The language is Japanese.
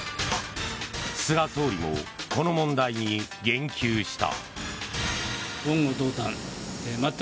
菅総理もこの問題に言及した。